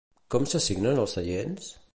Com s'assignen els seients?